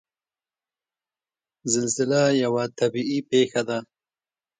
زلزله یوه طبعي پېښه ده.